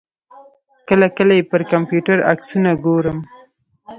کله کله یې پر کمپیوټر عکسونه ګورم.